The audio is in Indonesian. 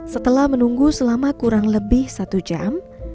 setelah menunggu selama kurang lebih satu jam